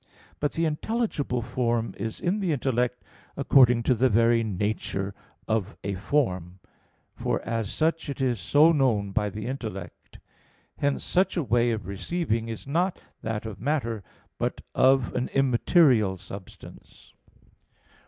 But the intelligible form is in the intellect according to the very nature of a form; for as such is it so known by the intellect. Hence such a way of receiving is not that of matter, but of an immaterial substance.